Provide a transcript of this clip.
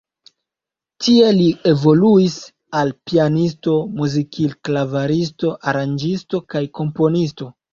Tie li evoluis al pianisto, muzikil-klavaristo, aranĝisto kaj komponisto.